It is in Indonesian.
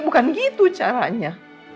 bukan gitu caranya